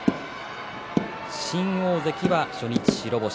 新大関は初日白星。